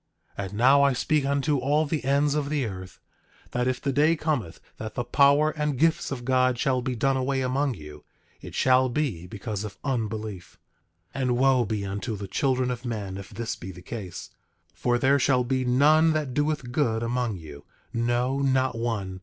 10:24 And now I speak unto all the ends of the earth—that if the day cometh that the power and gifts of God shall be done away among you, it shall be because of unbelief. 10:25 And wo be unto the children of men if this be the case; for there shall be none that doeth good among you, no not one.